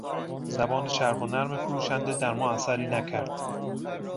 زبان چرب و نرم فروشنده در ما اثری نکرد.